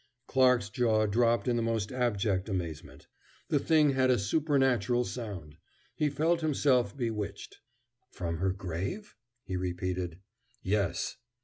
Clarke's jaw dropped in the most abject amazement. The thing had a supernatural sound. He felt himself bewitched. "From her grave?" he repeated. "Yes."